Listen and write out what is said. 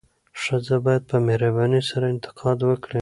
ښځه باید په مهربانۍ سره انتقاد وکړي.